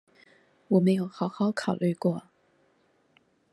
我沒有好好考慮過